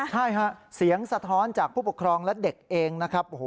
ใช่ฮะเสียงสะท้อนจากผู้ปกครองและเด็กเองนะครับ